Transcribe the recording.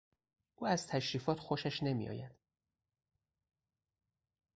او از تشریفات خوشش نمیآید.